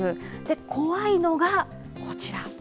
怖いのが、こちら。